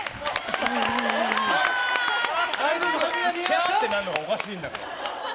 キャーってなるのがおかしいんだから。